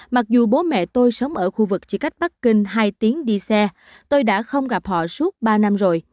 mặc dù bố mẹ tôi sống ở khu vực chỉ cách bắc kinh hai tiếng đi xe tôi đã không gặp họ suốt ba năm rồi